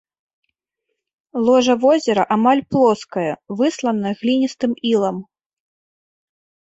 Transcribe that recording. Ложа возера амаль плоскае, выслана гліністым ілам.